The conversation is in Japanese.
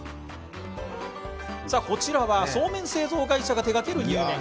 こちらはそうめん製造会社が手がけるにゅうめん。